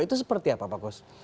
itu seperti apa pak kus